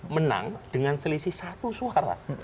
menang dengan selisih satu suara